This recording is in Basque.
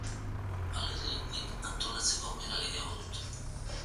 Halere, nik antolatzeko aukera gehiago dut.